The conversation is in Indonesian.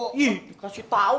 ih dikasih tahu